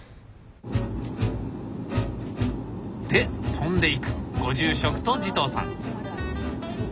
で飛んでいくご住職と慈瞳さん。